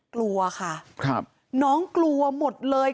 กลัวค่ะน้องกลัวหมดเลย